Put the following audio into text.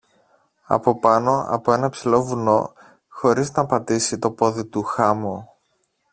από πάνω από ένα ψηλό βουνό, χωρίς να πατήσει το πόδι του χάμω.